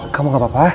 kamu gak apa apa